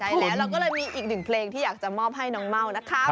ใช่แล้วเราก็เลยมีอีกหนึ่งเพลงที่อยากจะมอบให้น้องเม่านะคะ